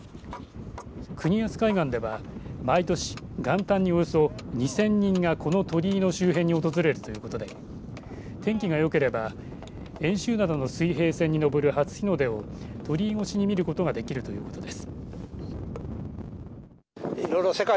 国安海岸では、毎年元旦におよそ２０００人がこの鳥居の周辺に訪れるということで天気がよければ遠州灘の水平線に上る初日の出を、鳥居越しに見ることができるということです。